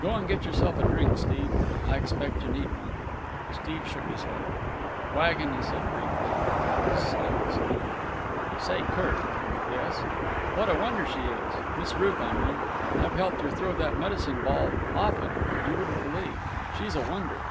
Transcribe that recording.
"Go and get yourself a drink, Steve. I expect you need one." Steve shook his head. "Waggon," he said briefly. And there was silence again. "Say, Kirk." "Yes?" "What a wonder she is. Miss Ruth, I mean. I've helped her throw that medicine ball—often—you wouldn't believe. She's a wonder."